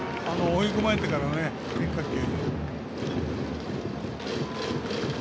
追い込まれてからの変化球。